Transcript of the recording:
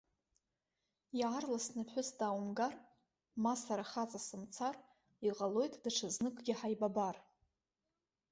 Иаарласны ԥҳәыс дааумгар, ма сара хаҵа сымцар, иҟалоит даҽа зныкгьы ҳаибабар.